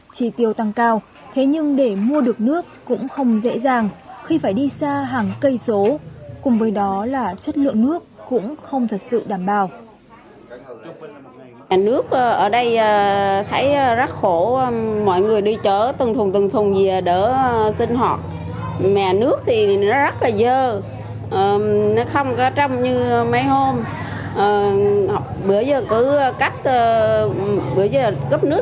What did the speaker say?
trị tiêu tăng cao thế nhưng để mua được nước cũng không dễ dàng khi phải đi xa hàng cây số cùng với đó là chất lượng nước cũng không thật sự đảm bảo